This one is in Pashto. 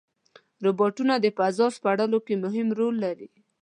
روبوټونه د فضا سپړلو کې مهم رول لري.